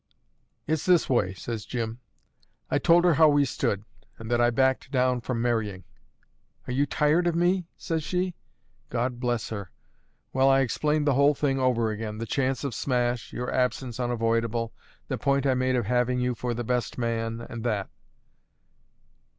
"It's this way," says Jim. "I told her how we stood, and that I backed down from marrying. 'Are you tired of me?' says she: God bless her! Well, I explained the whole thing over again, the chance of smash, your absence unavoidable, the point I made of having you for the best man, and that.